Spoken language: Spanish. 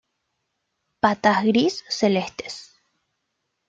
Patas gris-celestes.